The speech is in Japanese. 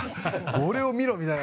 俺を見ろ！みたいな。